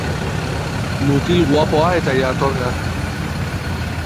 Mutil guapoa eta jatorra.